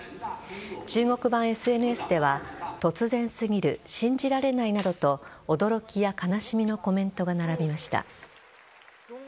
中国版ＳＮＳでは、突然すぎる信じられないなどと驚きや悲しみのコメントが並びました。